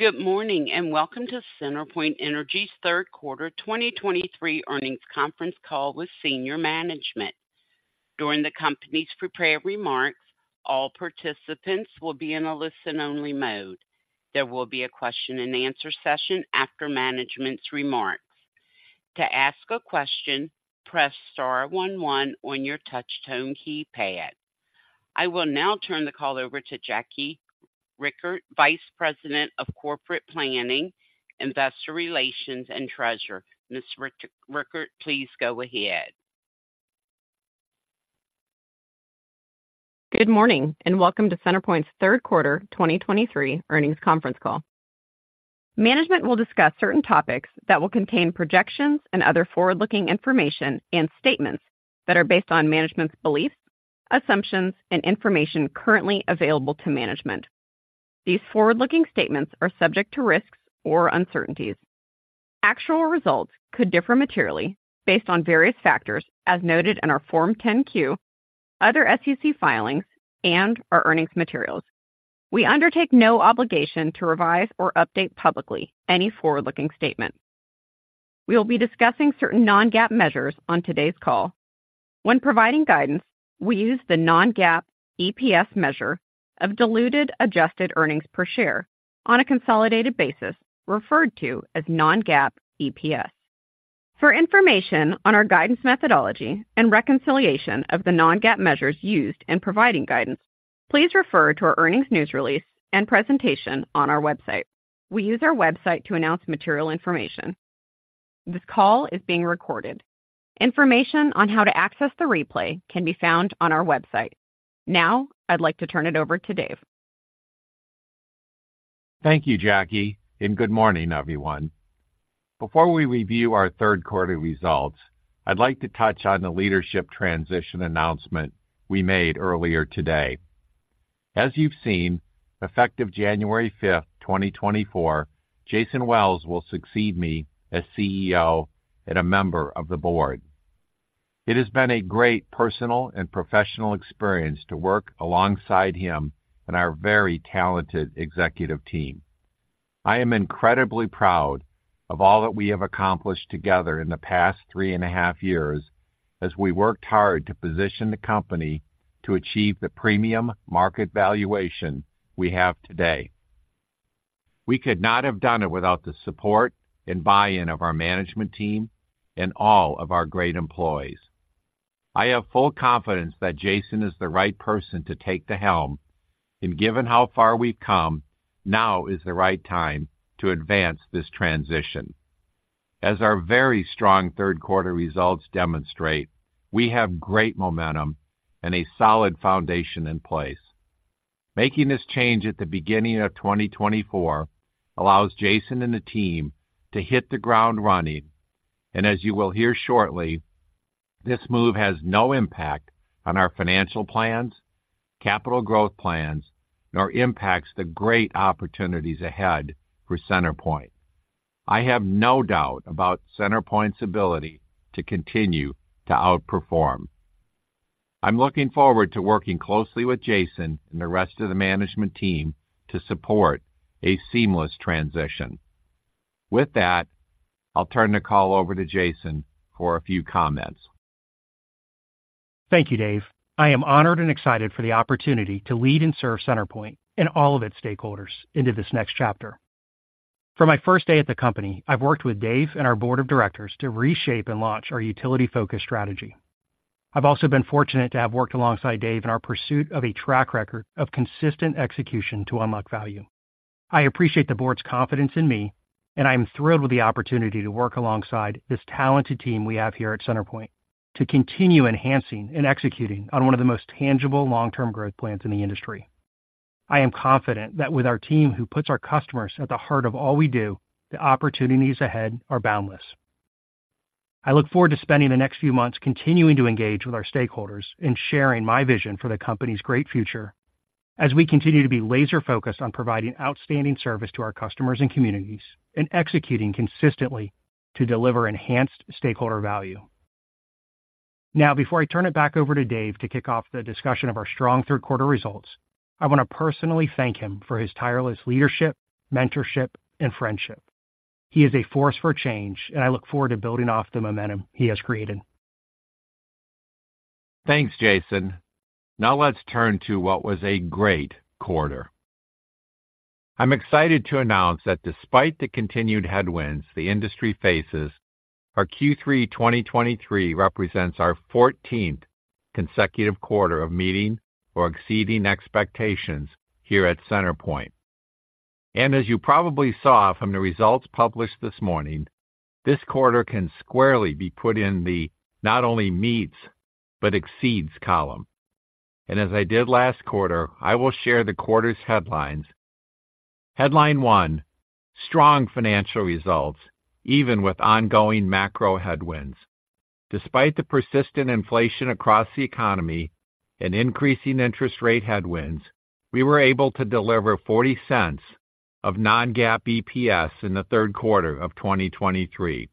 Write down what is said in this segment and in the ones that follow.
Good morning, and welcome to CenterPoint Energy's third quarter 2023 earnings conference call with senior management. During the company's prepared remarks, all participants will be in a listen-only mode. There will be a question-and-answer session after management's remarks. To ask a question, press star one one on your touchtone keypad. I will now turn the call over to Jackie Richert, Vice President of Corporate Planning, Investor Relations, and Treasurer. Ms. Richert, please go ahead. Good morning, and welcome to CenterPoint's third quarter 2023 earnings conference call. Management will discuss certain topics that will contain projections and other forward-looking information and statements that are based on management's beliefs, assumptions, and information currently available to management. These forward-looking statements are subject to risks or uncertainties. Actual results could differ materially based on various factors, as noted in our Form 10-Q, other SEC filings, and our earnings materials. We undertake no obligation to revise or update publicly any forward-looking statement. We will be discussing certain non-GAAP measures on today's call. When providing guidance, we use the non-GAAP EPS measure of diluted adjusted earnings per share on a consolidated basis, referred to as non-GAAP EPS. For information on our guidance methodology and reconciliation of the non-GAAP measures used in providing guidance, please refer to our earnings news release and presentation on our website. We use our website to announce material information. This call is being recorded. Information on how to access the replay can be found on our website. Now, I'd like to turn it over to Dave. Thank you, Jackie, and good morning, everyone. Before we review our third quarter results, I'd like to touch on the leadership transition announcement we made earlier today. As you've seen, effective January fifth, 2024, Jason Wells will succeed me as CEO and a member of the board. It has been a great personal and professional experience to work alongside him and our very talented executive team. I am incredibly proud of all that we have accomplished together in the past three and a half years as we worked hard to position the company to achieve the premium market valuation we have today. We could not have done it without the support and buy-in of our management team and all of our great employees. I have full confidence that Jason is the right person to take the helm, and given how far we've come, now is the right time to advance this transition. As our very strong third quarter results demonstrate, we have great momentum and a solid foundation in place. Making this change at the beginning of 2024 allows Jason and the team to hit the ground running. As you will hear shortly, this move has no impact on our financial plans, capital growth plans, nor impacts the great opportunities ahead for CenterPoint. I have no doubt about CenterPoint's ability to continue to outperform. I'm looking forward to working closely with Jason and the rest of the management team to support a seamless transition. With that, I'll turn the call over to Jason for a few comments. Thank you, Dave. I am honored and excited for the opportunity to lead and serve CenterPoint and all of its stakeholders into this next chapter. From my first day at the company, I've worked with Dave and our board of directors to reshape and launch our utility-focused strategy. I've also been fortunate to have worked alongside Dave in our pursuit of a track record of consistent execution to unlock value. I appreciate the board's confidence in me, and I am thrilled with the opportunity to work alongside this talented team we have here at CenterPoint to continue enhancing and executing on one of the most tangible long-term growth plans in the industry. I am confident that with our team, who puts our customers at the heart of all we do, the opportunities ahead are boundless. I look forward to spending the next few months continuing to engage with our stakeholders and sharing my vision for the company's great future as we continue to be laser-focused on providing outstanding service to our customers and communities and executing consistently to deliver enhanced stakeholder value. Now, before I turn it back over to Dave to kick off the discussion of our strong third quarter results, I want to personally thank him for his tireless leadership, mentorship, and friendship. He is a force for change, and I look forward to building off the momentum he has created. Thanks, Jason. Now, let's turn to what was a great quarter. I'm excited to announce that despite the continued headwinds the industry faces, our Q3 2023 represents our 14th consecutive quarter of meeting or exceeding expectations here at CenterPoint. And as you probably saw from the results published this morning, this quarter can squarely be put in the not only meets, but exceeds column. And as I did last quarter, I will share the quarter's headlines. Headline one, strong financial results, even with ongoing macro headwinds. Despite the persistent inflation across the economy and increasing interest rate headwinds, we were able to deliver $0.40 of non-GAAP EPS in the third quarter of 2023.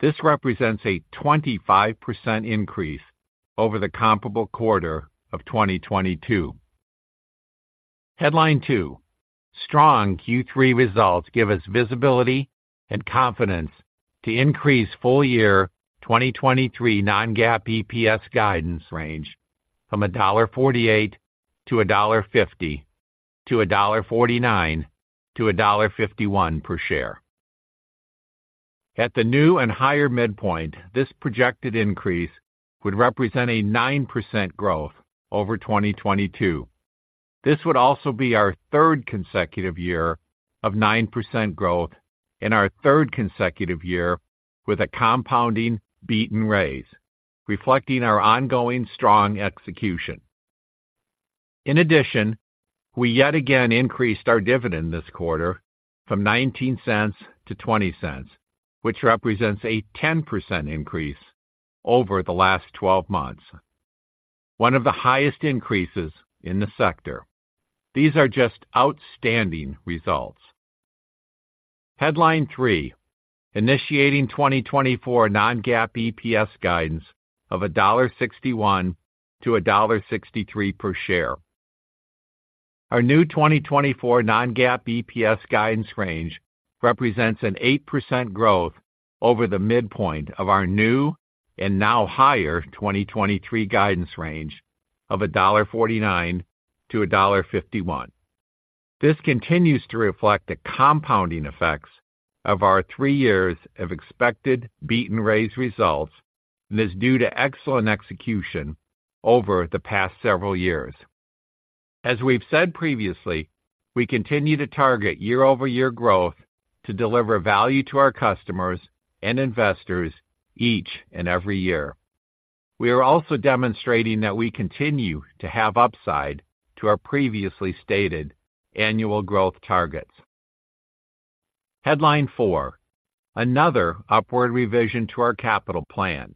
This represents a 25% increase over the comparable quarter of 2022. Headline 2, strong Q3 results give us visibility and confidence to increase full year 2023 non-GAAP EPS guidance range from $1.48-$1.50 to $1.49-$1.51 per share. At the new and higher midpoint, this projected increase would represent a 9% growth over 2022. This would also be our third consecutive year of 9% growth and our third consecutive year with a compounding beat and raise, reflecting our ongoing strong execution. In addition, we yet again increased our dividend this quarter from $0.19 to $0.20, which represents a 10% increase over the last twelve months, one of the highest increases in the sector. These are just outstanding results. Headline 3, initiating 2024 non-GAAP EPS guidance of $1.61-$1.63 per share. Our new 2024 non-GAAP EPS guidance range represents an 8% growth over the midpoint of our new and now higher 2023 guidance range of $1.49-$1.51. This continues to reflect the compounding effects of our three years of expected beat and raise results, and is due to excellent execution over the past several years. As we've said previously, we continue to target year-over-year growth to deliver value to our customers and investors each and every year. We are also demonstrating that we continue to have upside to our previously stated annual growth targets. Headline 4, another upward revision to our capital plan.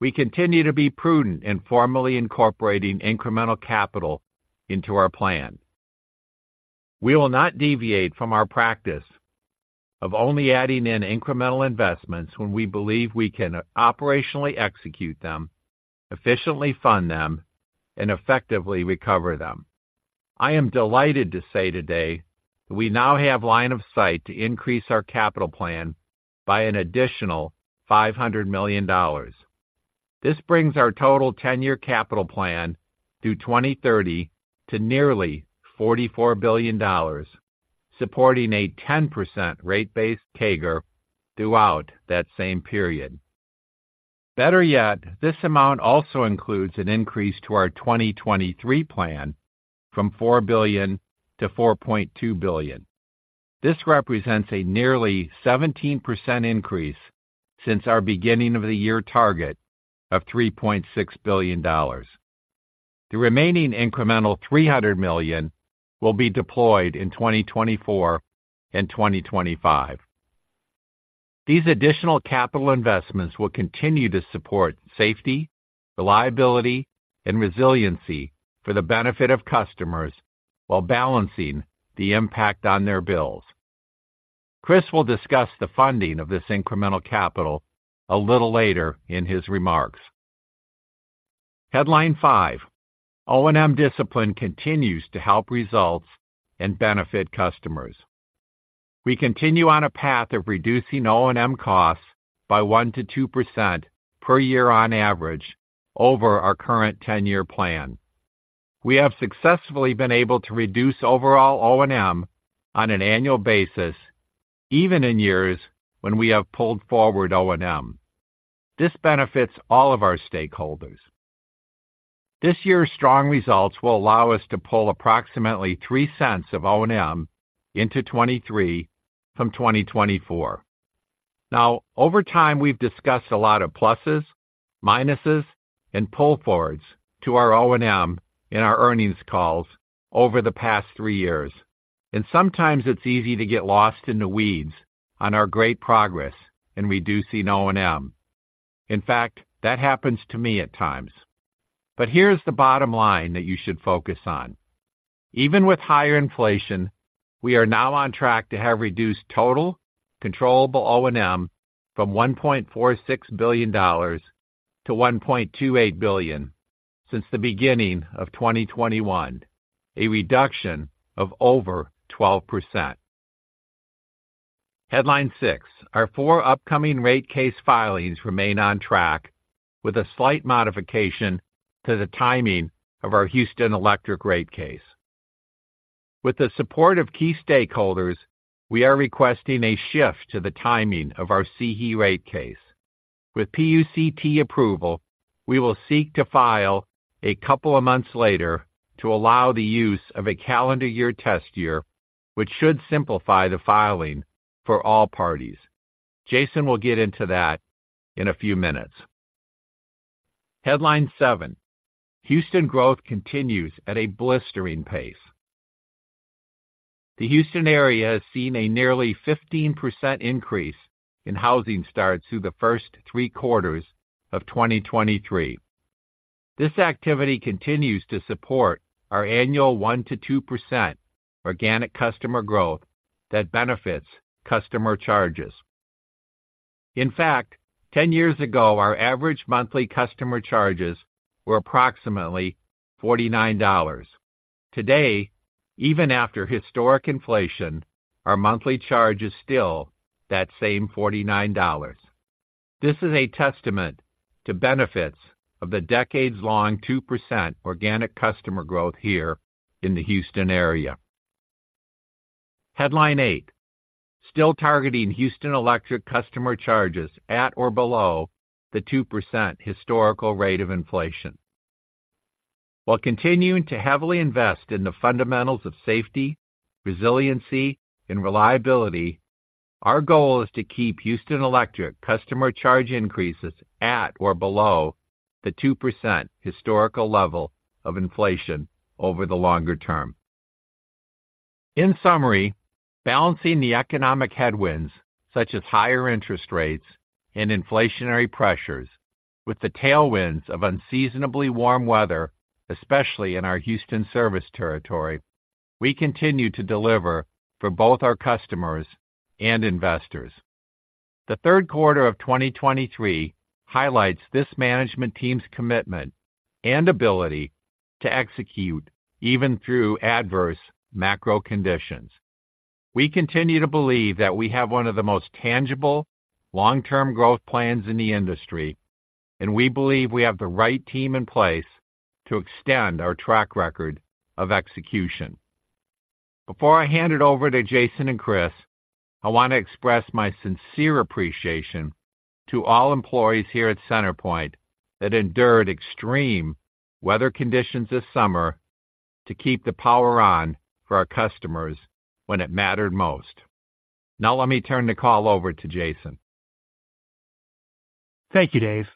We continue to be prudent in formally incorporating incremental capital into our plan. We will not deviate from our practice of only adding in incremental investments when we believe we can operationally execute them, efficiently fund them, and effectively recover them. I am delighted to say today that we now have line of sight to increase our capital plan by an additional $500 million. This brings our total 10-year capital plan through 2030 to nearly $44 billion, supporting a 10% rate base CAGR throughout that same period. Better yet, this amount also includes an increase to our 2023 plan from $4 billion to $4.2 billion. This represents a nearly 17% increase since our beginning of the year target of $3.6 billion. The remaining incremental $300 million will be deployed in 2024 and 2025. These additional capital investments will continue to support safety, reliability, and resiliency for the benefit of customers while balancing the impact on their bills. Chris will discuss the funding of this incremental capital a little later in his remarks. Headline five, O&M discipline continues to help results and benefit customers. We continue on a path of reducing O&M costs by 1%-2% per year on average over our current 10-year plan. We have successfully been able to reduce overall O&M on an annual basis, even in years when we have pulled forward O&M. This benefits all of our stakeholders. This year's strong results will allow us to pull approximately $0.03 of O&M into 2023 from 2024. Now, over time, we've discussed a lot of pluses, minuses, and pull forwards to our O&M in our earnings calls over the past three years, and sometimes it's easy to get lost in the weeds on our great progress in reducing O&M. In fact, that happens to me at times. But here's the bottom line that you should focus on. Even with higher inflation, we are now on track to have reduced total controllable O&M from $1.46 billion to $1.28 billion since the beginning of 2021, a reduction of over 12%. Headline 6, our four upcoming rate case filings remain on track with a slight modification to the timing of our Houston Electric rate case. With the support of key stakeholders, we are requesting a shift to the timing of our CE rate case. With PUCT approval, we will seek to file a couple of months later to allow the use of a calendar year test year, which should simplify the filing for all parties. Jason will get into that in a few minutes. Headline 7, Houston growth continues at a blistering pace. The Houston area has seen a nearly 15% increase in housing starts through the first 3 quarters of 2023. This activity continues to support our annual 1%-2% organic customer growth that benefits customer charges. In fact, 10 years ago, our average monthly customer charges were approximately $49. Today, even after historic inflation, our monthly charge is still that same $49. This is a testament to benefits of the decades-long 2% organic customer growth here in the Houston area. Headline 8: Still targeting Houston Electric customer charges at or below the 2% historical rate of inflation. While continuing to heavily invest in the fundamentals of safety, resiliency, and reliability, our goal is to keep Houston Electric customer charge increases at or below the 2% historical level of inflation over the longer term. In summary, balancing the economic headwinds, such as higher interest rates and inflationary pressures with the tailwinds of unseasonably warm weather, especially in our Houston service territory, we continue to deliver for both our customers and investors. The third quarter of 2023 highlights this management team's commitment and ability to execute even through adverse macro conditions. We continue to believe that we have one of the most tangible long-term growth plans in the industry, and we believe we have the right team in place to extend our track record of execution. Before I hand it over to Jason and Chris, I want to express my sincere appreciation to all employees here at CenterPoint that endured extreme weather conditions this summer to keep the power on for our customers when it mattered most. Now let me turn the call over to Jason. Thank you, Dave.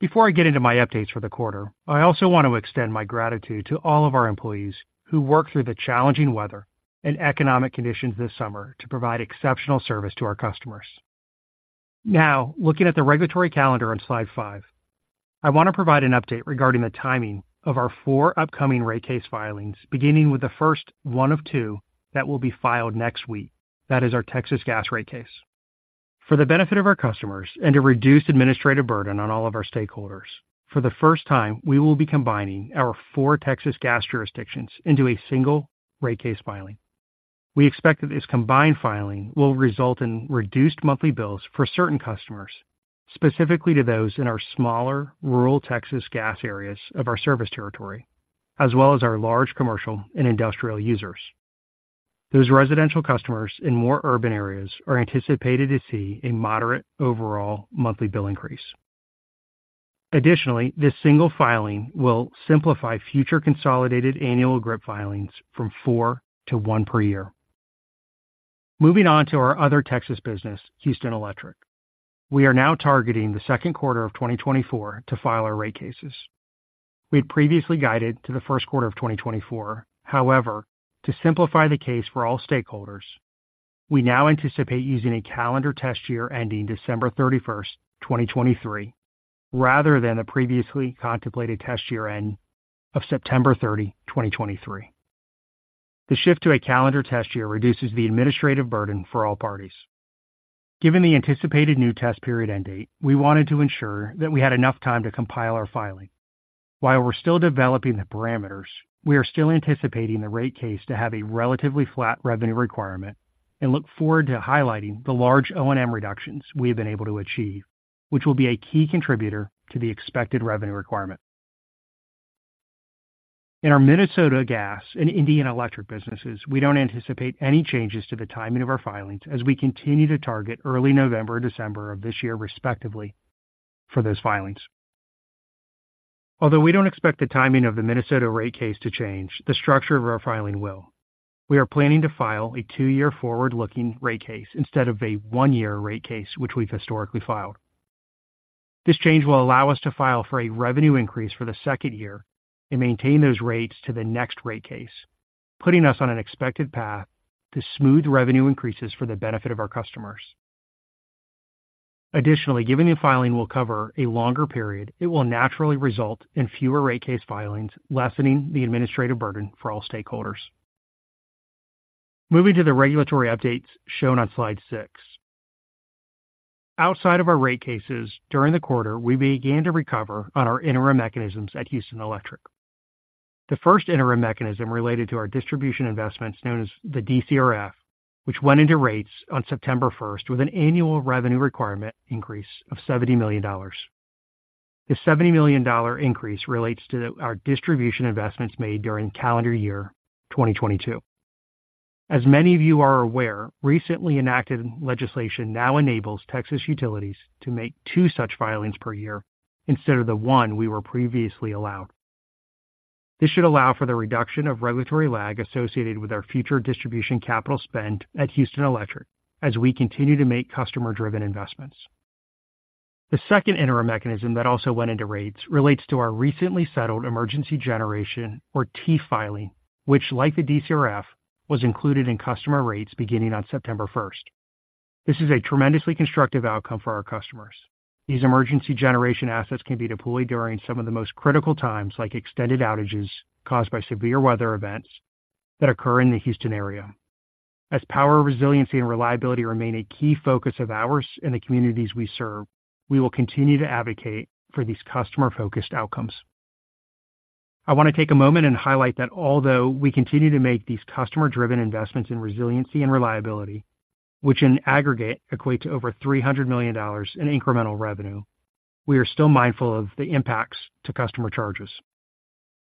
Before I get into my updates for the quarter, I also want to extend my gratitude to all of our employees who worked through the challenging weather and economic conditions this summer to provide exceptional service to our customers. Now, looking at the regulatory calendar on slide five, I want to provide an update regarding the timing of our four upcoming rate case filings, beginning with the first one of two that will be filed next week. That is our Texas Gas rate case. For the benefit of our customers and to reduce administrative burden on all of our stakeholders, for the first time, we will be combining our four Texas Gas jurisdictions into a single rate case filing. We expect that this combined filing will result in reduced monthly bills for certain customers, specifically to those in our smaller, rural Texas Gas areas of our service territory, as well as our large commercial and industrial users. Those residential customers in more urban areas are anticipated to see a moderate overall monthly bill increase. Additionally, this single filing will simplify future consolidated annual GRIP filings from 4 to 1 per year. Moving on to our other Texas business, Houston Electric. We are now targeting the second quarter of 2024 to file our rate cases. We had previously guided to the first quarter of 2024. However, to simplify the case for all stakeholders, we now anticipate using a calendar test year ending December 31, 2023, rather than the previously contemplated test year end of September 30, 2023. The shift to a calendar test year reduces the administrative burden for all parties. Given the anticipated new test period end date, we wanted to ensure that we had enough time to compile our filing. While we're still developing the parameters, we are still anticipating the rate case to have a relatively flat revenue requirement and look forward to highlighting the large O&M reductions we have been able to achieve, which will be a key contributor to the expected revenue requirement. In our Minnesota Gas and Indiana Electric businesses, we don't anticipate any changes to the timing of our filings as we continue to target early November or December of this year, respectively, for those filings. Although we don't expect the timing of the Minnesota rate case to change, the structure of our filing will. We are planning to file a 2-year forward-looking rate case instead of a 1-year rate case, which we've historically filed. This change will allow us to file for a revenue increase for the second year and maintain those rates to the next rate case, putting us on an expected path to smooth revenue increases for the benefit of our customers. Additionally, given the filing will cover a longer period, it will naturally result in fewer rate case filings, lessening the administrative burden for all stakeholders. Moving to the regulatory updates shown on slide 6. Outside of our rate cases, during the quarter, we began to recover on our interim mechanisms at Houston Electric. The first interim mechanism related to our distribution investments, known as the DCRF, which went into rates on September 1st, with an annual revenue requirement increase of $70 million. This $70 million increase relates to the, our distribution investments made during calendar year 2022. As many of you are aware, recently enacted legislation now enables Texas utilities to make two such filings per year instead of the one we were previously allowed. This should allow for the reduction of regulatory lag associated with our future distribution capital spend at Houston Electric as we continue to make customer-driven investments. The second interim mechanism that also went into rates relates to our recently settled emergency generation, or TEEEF filing, which, like the DCRF, was included in customer rates beginning on September 1st. This is a tremendously constructive outcome for our customers. These emergency generation assets can be deployed during some of the most critical times, like extended outages caused by severe weather events that occur in the Houston area. As power resiliency and reliability remain a key focus of ours in the communities we serve, we will continue to advocate for these customer-focused outcomes. I want to take a moment and highlight that although we continue to make these customer-driven investments in resiliency and reliability, which in aggregate equate to over $300 million in incremental revenue, we are still mindful of the impacts to customer charges.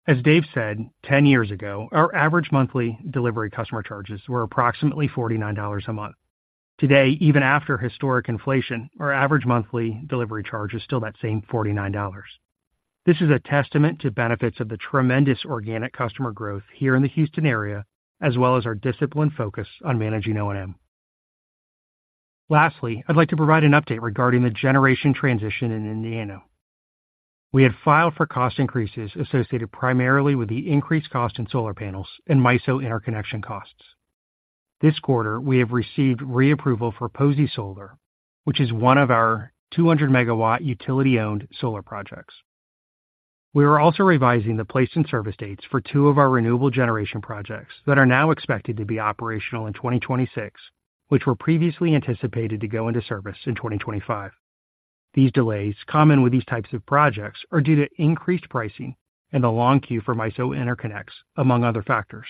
As Dave said, 10 years ago, our average monthly delivery customer charges were approximately $49 a month. Today, even after historic inflation, our average monthly delivery charge is still that same $49. This is a testament to benefits of the tremendous organic customer growth here in the Houston area, as well as our disciplined focus on managing O&M. Lastly, I'd like to provide an update regarding the generation transition in Indiana. We had filed for cost increases associated primarily with the increased cost in solar panels and MISO interconnection costs. This quarter, we have received reapproval for Posey Solar, which is one of our 200MW utility-owned solar projects. We are also revising the placed-in-service dates for two of our renewable generation projects that are now expected to be operational in 2026, which were previously anticipated to go into service in 2025. These delays, common with these types of projects, are due to increased pricing and a long queue for MISO interconnects, among other factors.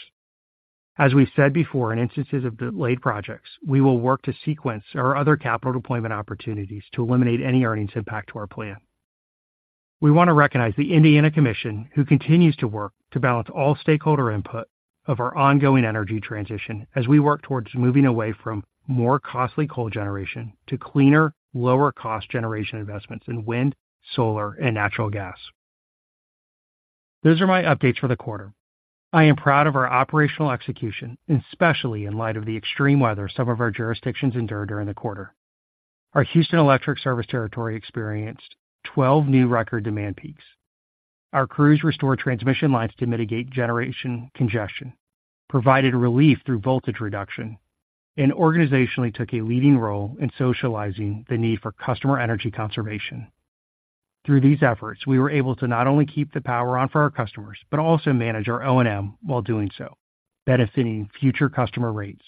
As we've said before, in instances of delayed projects, we will work to sequence our other capital deployment opportunities to eliminate any earnings impact to our plan. We want to recognize the Indiana Commission, who continues to work to balance all stakeholder input of our ongoing energy transition as we work towards moving away from more costly coal generation to cleaner, lower cost generation investments in wind, solar, and natural gas. Those are my updates for the quarter. I am proud of our operational execution, especially in light of the extreme weather some of our jurisdictions endured during the quarter. Our Houston Electric service territory experienced 12 new record demand peaks. Our crews restored transmission lines to mitigate generation congestion, provided relief through voltage reduction, and organizationally took a leading role in socializing the need for customer energy conservation. Through these efforts, we were able to not only keep the power on for our customers, but also manage our O&M while doing so, benefiting future customer rates.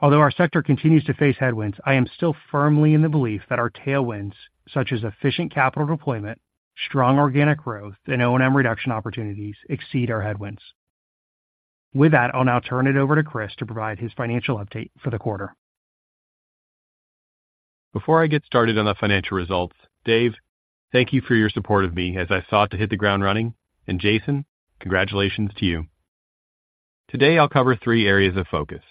Although our sector continues to face headwinds, I am still firmly in the belief that our tailwinds, such as efficient capital deployment, strong organic growth, and O&M reduction opportunities, exceed our headwinds. With that, I'll now turn it over to Chris to provide his financial update for the quarter. Before I get started on the financial results, Dave, thank you for your support of me as I sought to hit the ground running, and Jason, congratulations to you. Today, I'll cover three areas of focus.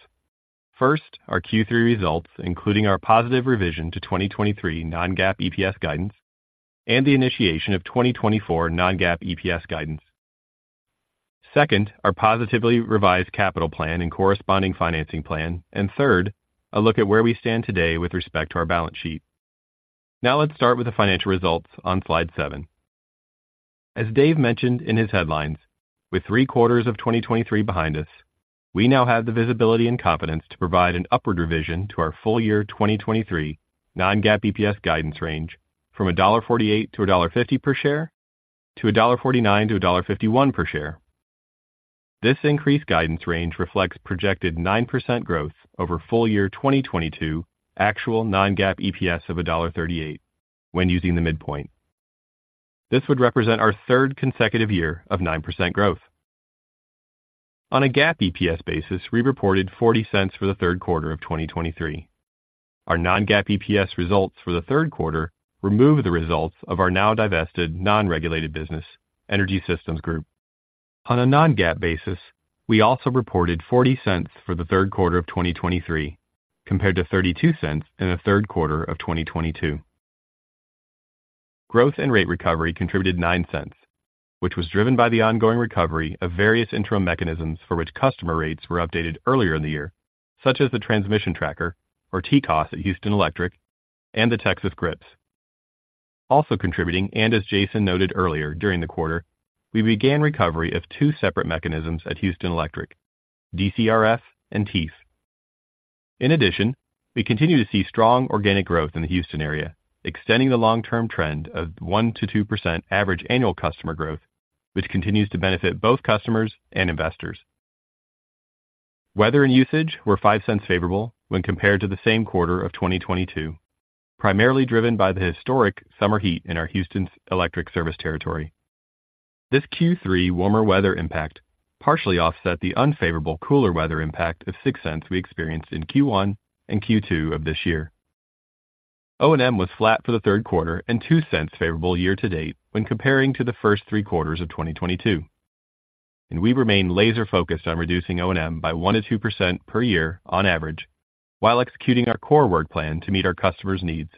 First, our Q3 results, including our positive revision to 2023 non-GAAP EPS guidance and the initiation of 2024 non-GAAP EPS guidance. Second, our positively revised capital plan and corresponding financing plan. Third, a look at where we stand today with respect to our balance sheet. Now, let's start with the financial results on slide 7. As Dave mentioned in his headlines, with three quarters of 2023 behind us, we now have the visibility and confidence to provide an upward revision to our full year 2023 non-GAAP EPS guidance range from $1.48-$1.50 per share to $1.49-$1.51 per share. This increased guidance range reflects projected 9% growth over full year 2022 actual non-GAAP EPS of $1.38 when using the midpoint. This would represent our third consecutive year of 9% growth. On a GAAP EPS basis, we reported $0.40 for the third quarter of 2023. Our non-GAAP EPS results for the third quarter remove the results of our now divested non-regulated business Energy Systems Group. On a non-GAAP basis, we also reported $0.40 for the third quarter of 2023, compared to $0.32 in the third quarter of 2022. Growth and rate recovery contributed $0.09, which was driven by the ongoing recovery of various interim mechanisms for which customer rates were updated earlier in the year, such as the Transmission Tracker or TCOS at Houston Electric and the Texas GRIPs. Also contributing, and as Jason noted earlier, during the quarter, we began recovery of two separate mechanisms at Houston Electric, DCRF and TEEEF. In addition, we continue to see strong organic growth in the Houston area, extending the long-term trend of 1%-2% average annual customer growth, which continues to benefit both customers and investors. Weather and usage were $0.05 favorable when compared to the same quarter of 2022, primarily driven by the historic summer heat in our Houston's electric service territory. This Q3 warmer weather impact partially offset the unfavorable cooler weather impact of $0.06 we experienced in Q1 and Q2 of this year. O&M was flat for the third quarter and $0.02 favorable year to date when comparing to the first three quarters of 2022, and we remain laser-focused on reducing O&M by 1%-2% per year on average, while executing our core work plan to meet our customers' needs.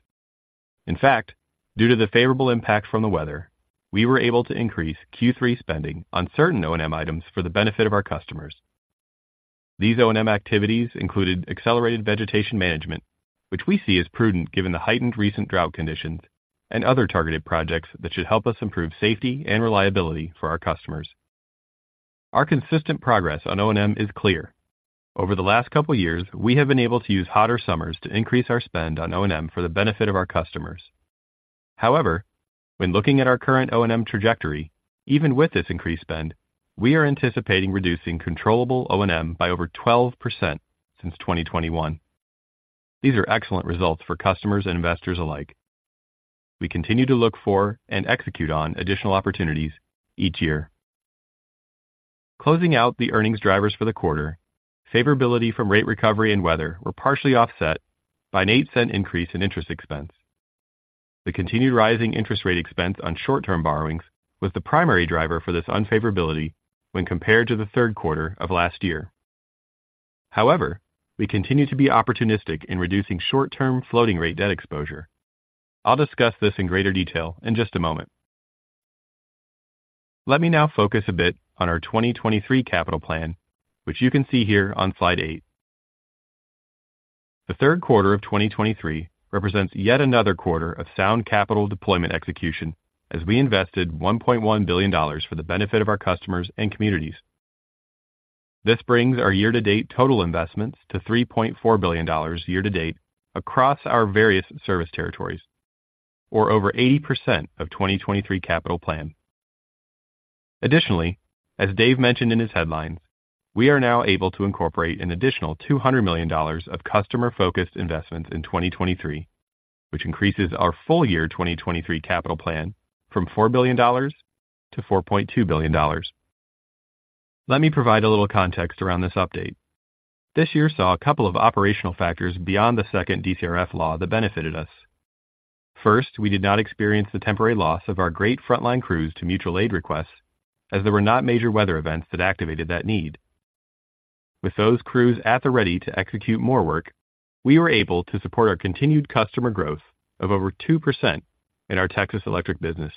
In fact, due to the favorable impact from the weather, we were able to increase Q3 spending on certain O&M items for the benefit of our customers. These O&M activities included accelerated vegetation management, which we see as prudent given the heightened recent drought conditions and other targeted projects that should help us improve safety and reliability for our customers.... Our consistent progress on O&M is clear. Over the last couple years, we have been able to use hotter summers to increase our spend on O&M for the benefit of our customers. However, when looking at our current O&M trajectory, even with this increased spend, we are anticipating reducing controllable O&M by over 12% since 2021. These are excellent results for customers and investors alike. We continue to look for and execute on additional opportunities each year. Closing out the earnings drivers for the quarter, favorability from rate recovery and weather were partially offset by an $0.08 increase in interest expense. The continued rising interest rate expense on short-term borrowings was the primary driver for this unfavorability when compared to the third quarter of last year. However, we continue to be opportunistic in reducing short-term floating rate debt exposure. I'll discuss this in greater detail in just a moment. Let me now focus a bit on our 2023 capital plan, which you can see here on slide 8. The third quarter of 2023 represents yet another quarter of sound capital deployment execution as we invested $1.1 billion for the benefit of our customers and communities. This brings our year-to-date total investments to $3.4 billion year-to-date across our various service territories, or over 80% of 2023 capital plan. Additionally, as Dave mentioned in his headlines, we are now able to incorporate an additional $200 million of customer-focused investments in 2023, which increases our full year 2023 capital plan from $4 billion to $4.2 billion. Let me provide a little context around this update. This year saw a couple of operational factors beyond the second DCRF law that benefited us. First, we did not experience the temporary loss of our great frontline crews to mutual aid requests, as there were not major weather events that activated that need. With those crews at the ready to execute more work, we were able to support our continued customer growth of over 2% in our Texas electric business,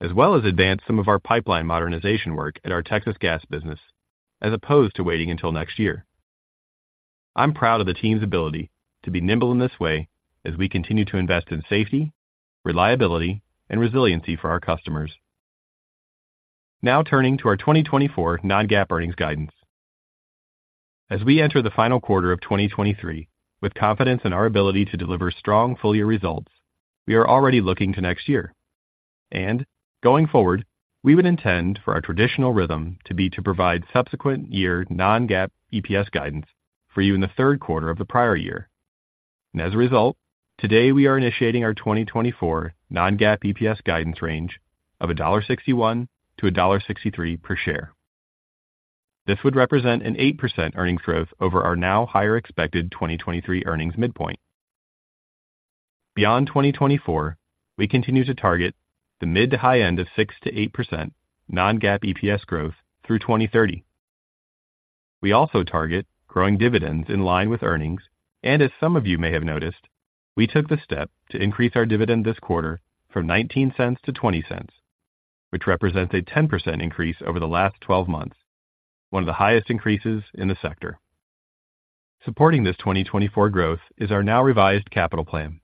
as well as advance some of our pipeline modernization work at our Texas Gas business, as opposed to waiting until next year. I'm proud of the team's ability to be nimble in this way as we continue to invest in safety, reliability, and resiliency for our customers. Now, turning to our 2024 Non-GAAP earnings guidance. As we enter the final quarter of 2023 with confidence in our ability to deliver strong full year results, we are already looking to next year. Going forward, we would intend for our traditional rhythm to be to provide subsequent year non-GAAP EPS guidance for you in the third quarter of the prior year. And as a result, today we are initiating our 2024 non-GAAP EPS guidance range of $1.61-$1.63 per share. This would represent an 8% earnings growth over our now higher expected 2023 earnings midpoint. Beyond 2024, we continue to target the mid to high end of 6%-8% non-GAAP EPS growth through 2030. We also target growing dividends in line with earnings, and as some of you may have noticed, we took the step to increase our dividend this quarter from $0.19 to $0.20, which represents a 10% increase over the last 12 months, one of the highest increases in the sector. Supporting this 2024 growth is our now revised capital plan.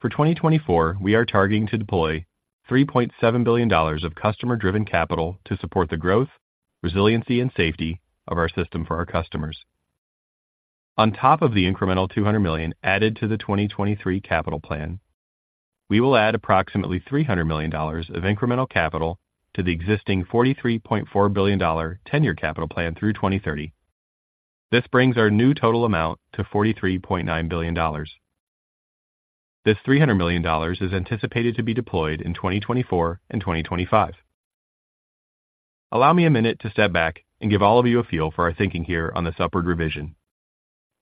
For 2024, we are targeting to deploy $3.7 billion of customer-driven capital to support the growth, resiliency, and safety of our system for our customers. On top of the incremental $200 million added to the 2023 capital plan, we will add approximately $300 million of incremental capital to the existing $43.4 billion ten-year capital plan through 2030. This brings our new total amount to $43.9 billion. This $300 million is anticipated to be deployed in 2024 and 2025. Allow me a minute to step back and give all of you a feel for our thinking here on this upward revision.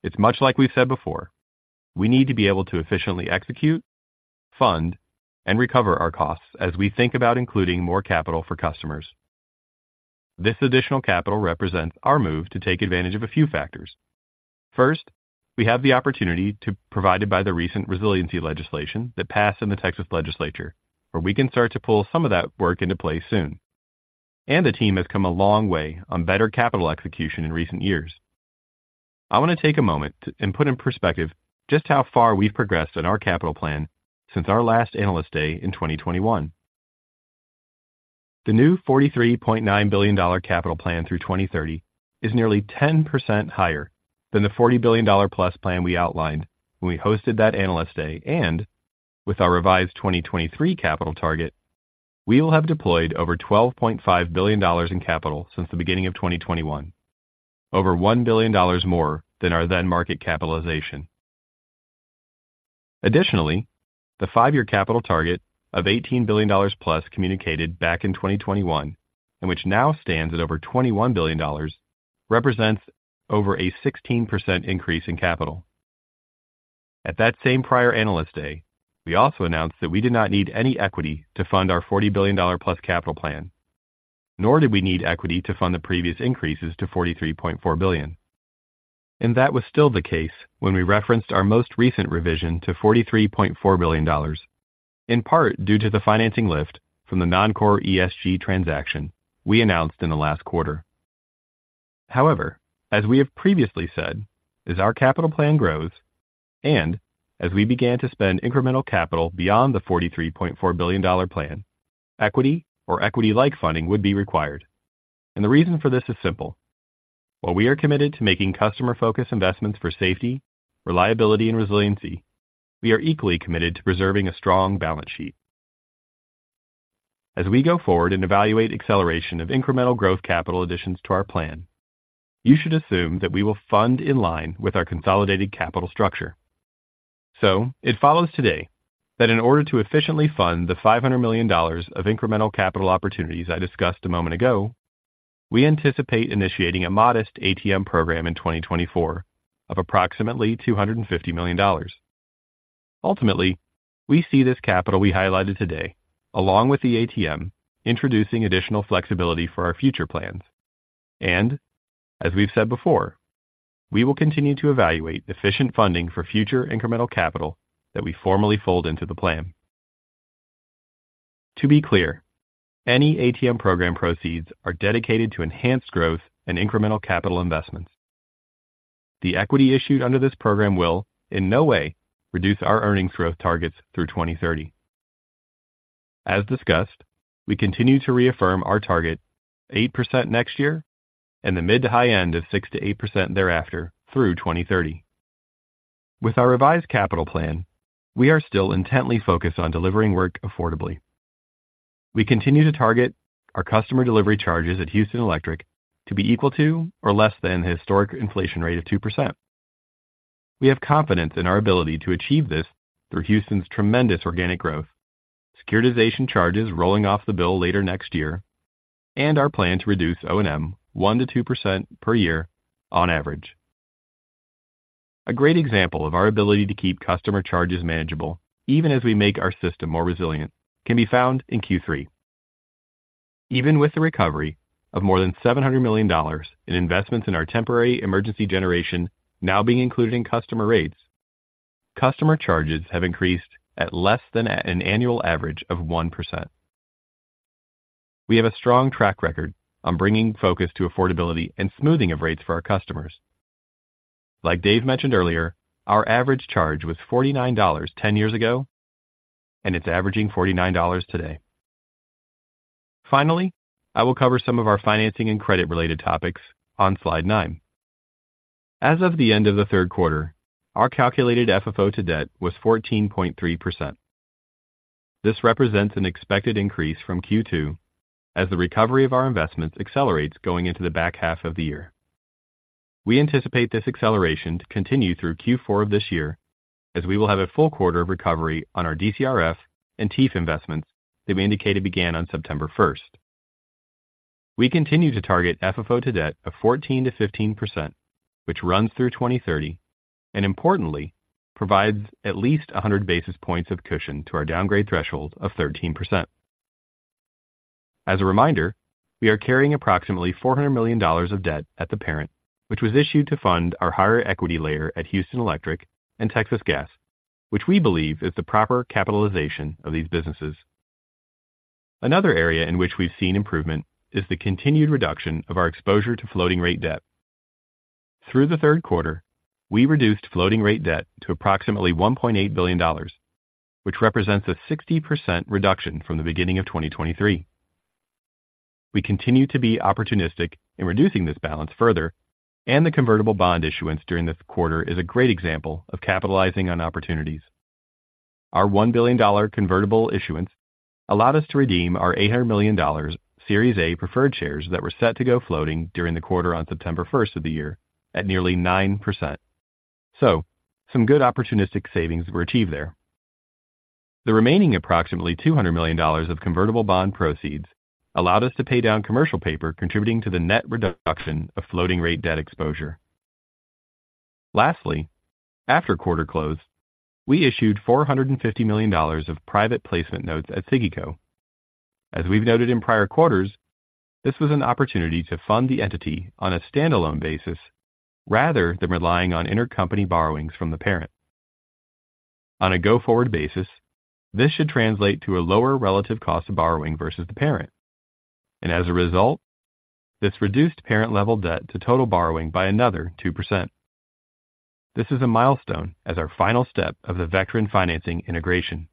It's much like we've said before: We need to be able to efficiently execute, fund, and recover our costs as we think about including more capital for customers. This additional capital represents our move to take advantage of a few factors. First, we have the opportunity to, provided by the recent resiliency legislation that passed in the Texas Legislature, where we can start to pull some of that work into place soon. The team has come a long way on better capital execution in recent years. I want to take a moment and put in perspective just how far we've progressed on our capital plan since our last Analyst Day in 2021. The new $43.9 billion capital plan through 2030 is nearly 10% higher than the $40 billion-plus plan we outlined when we hosted that Analyst Day, and with our revised 2023 capital target, we will have deployed over $12.5 billion in capital since the beginning of 2021, over $1 billion more than our then market capitalization. Additionally, the five-year capital target of $18 billion-plus communicated back in 2021, and which now stands at over $21 billion, represents over a 16% increase in capital. At that same prior Analyst Day, we also announced that we did not need any equity to fund our $40 billion-plus capital plan, nor did we need equity to fund the previous increases to $43.4 billion. That was still the case when we referenced our most recent revision to $43.4 billion, in part due to the financing lift from the non-core ESG transaction we announced in the last quarter. However, as we have previously said, as our capital plan grows and as we began to spend incremental capital beyond the $43.4 billion plan, equity or equity-like funding would be required. And the reason for this is simple: While we are committed to making customer-focused investments for safety, reliability, and resiliency, we are equally committed to preserving a strong balance sheet. As we go forward and evaluate acceleration of incremental growth capital additions to our plan, you should assume that we will fund in line with our consolidated capital structure. So it follows today that in order to efficiently fund the $500 million of incremental capital opportunities I discussed a moment ago, we anticipate initiating a modest ATM program in 2024 of approximately $250 million. Ultimately, we see this capital we highlighted today, along with the ATM, introducing additional flexibility for our future plans, and as we've said before, we will continue to evaluate efficient funding for future incremental capital that we formally fold into the plan. To be clear, any ATM program proceeds are dedicated to enhanced growth and incremental capital investments. The equity issued under this program will in no way reduce our earnings growth targets through 2030. As discussed, we continue to reaffirm our target 8% next year and the mid to high-end of 6%-8% thereafter through 2030. With our revised capital plan, we are still intently focused on delivering work affordably. We continue to target our customer delivery charges at Houston Electric to be equal to or less than the historic inflation rate of 2%. We have confidence in our ability to achieve this through Houston's tremendous organic growth, securitization charges rolling off the bill later next year, and our plan to reduce O&M 1%-2% per year on average. A great example of our ability to keep customer charges manageable, even as we make our system more resilient, can be found in Q3. Even with the recovery of more than $700 million in investments in our temporary emergency generation now being included in customer rates, customer charges have increased at less than an annual average of 1%. We have a strong track record on bringing focus to affordability and smoothing of rates for our customers. Like Dave mentioned earlier, our average charge was $49 10 years ago, and it's averaging $49 today. Finally, I will cover some of our financing and credit-related topics on slide 9. As of the end of the third quarter, our calculated FFO to debt was 14.3%. This represents an expected increase from Q2 as the recovery of our investments accelerates going into the back half of the year. We anticipate this acceleration to continue through Q4 of this year, as we will have a full quarter of recovery on our DCRF and TEEEF investments that we indicated began on September 1st. We continue to target FFO to debt of 14%-15%, which runs through 2030 and importantly, provides at least 100 basis points of cushion to our downgrade threshold of 13%. As a reminder, we are carrying approximately $400 million of debt at the parent, which was issued to fund our higher equity layer at Houston Electric and Texas Gas, which we believe is the proper capitalization of these businesses. Another area in which we've seen improvement is the continued reduction of our exposure to floating-rate debt. Through the third quarter, we reduced floating-rate debt to approximately $1.8 billion, which represents a 60% reduction from the beginning of 2023. We continue to be opportunistic in reducing this balance further, and the convertible bond issuance during this quarter is a great example of capitalizing on opportunities. Our $1 billion convertible issuance allowed us to redeem our $800 million Series A preferred shares that were set to go floating during the quarter on September 1st of the year at nearly 9%. So some good opportunistic savings were achieved there. The remaining approximately $200 million of convertible bond proceeds allowed us to pay down commercial paper, contributing to the net reduction of floating-rate debt exposure. Lastly, after quarter close, we issued $450 million of private placement notes at SIGECO. As we've noted in prior quarters, this was an opportunity to fund the entity on a standalone basis, rather than relying on intercompany borrowings from the parent. On a go-forward basis, this should translate to a lower relative cost of borrowing versus the parent, and as a result, this reduced parent level debt to total borrowing by another 2%. This is a milestone as our final step of the Vectren financing integration.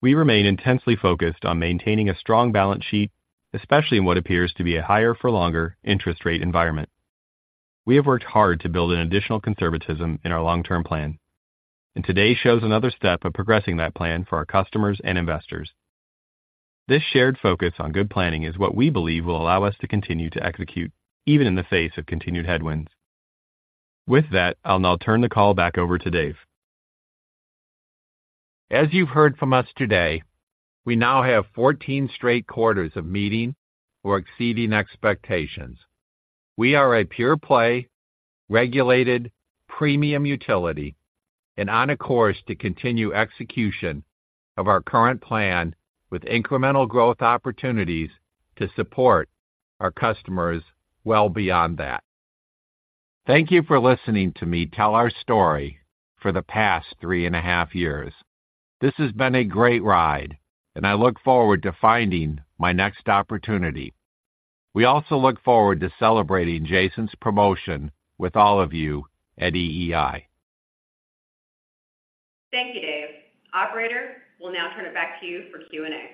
We remain intensely focused on maintaining a strong balance sheet, especially in what appears to be a higher for longer interest rate environment. We have worked hard to build an additional conservatism in our long-term plan, and today shows another step of progressing that plan for our customers and investors. This shared focus on good planning is what we believe will allow us to continue to execute, even in the face of continued headwinds. With that, I'll now turn the call back over to Dave. As you've heard from us today, we now have 14 straight quarters of meeting or exceeding expectations. We are a pure play, regulated, premium utility and on a course to continue execution of our current plan with incremental growth opportunities to support our customers well beyond that. Thank you for listening to me tell our story for the past three and a half years. This has been a great ride, and I look forward to finding my next opportunity. We also look forward to celebrating Jason's promotion with all of you at EEI. Thank you, Dave. Operator, we'll now turn it back to you for Q&A.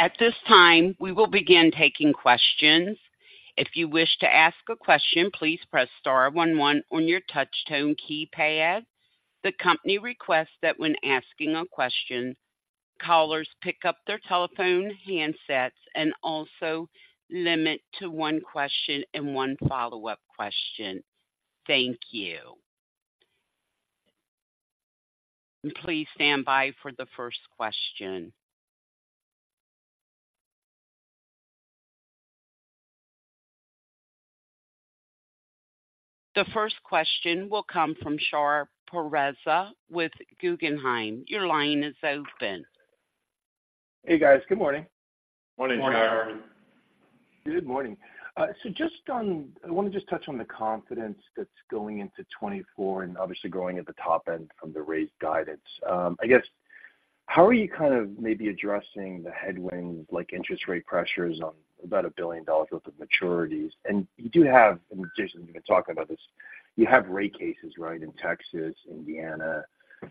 At this time, we will begin taking questions. If you wish to ask a question, please press star one one on your touchtone keypad. The company requests that when asking a question, callers pick up their telephone handsets and also limit to one question and one follow-up question. Thank you. Please stand by for the first question. The first question will come from Shar Pourreza with Guggenheim. Your line is open. Hey, guys. Good morning. Morning, Shar. Good morning. So just on—I want to just touch on the confidence that's going into 2024 and obviously growing at the top end from the raised guidance. I guess, how are you kind of maybe addressing the headwinds, like interest rate pressures on about $1 billion worth of maturities? And you do have, and Jason, you've been talking about this, you have rate cases, right, in Texas, Indiana,